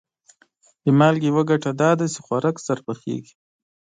د مالګې یوه ګټه دا ده چې خوراک ژر پخیږي.